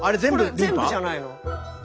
これ全部じゃないの？